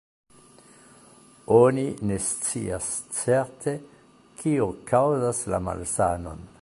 Oni ne scias certe, kio kaŭzas la malsanon.